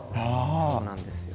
そうなんですよ。